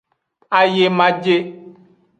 Ayemaje.